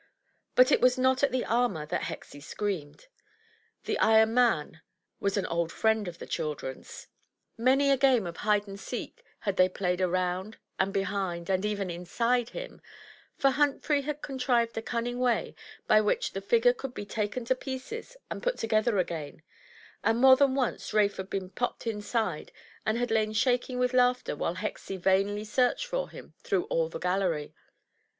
But it was not at the armor that Hexie screamed; the iron man was an old friend of the children's. Many a game of hide and seek had they played around, and behind, and even inside him; for Humphrey had contrived a cunning way by which the figure could be taken to pieces and put together again; and more than once Rafe had been popped inside, and had lain shaking with laughter while Hexie vainly searched for him through all the gallery.